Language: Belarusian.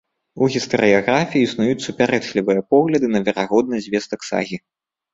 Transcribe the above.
У гістарыяграфіі існуюць супярэчлівыя погляды на верагоднасць звестак сагі.